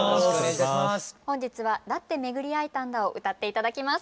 本日は「だってめぐりえたんだ」を歌って頂きます。